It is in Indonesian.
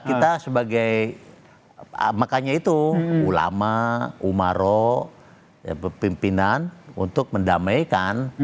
kita sebagai makanya itu ulama umaro pimpinan untuk mendamaikan